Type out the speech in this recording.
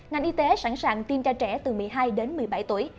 ngành y tế sẵn sàng tiêm cho trẻ từ một mươi hai đến một mươi bảy tuổi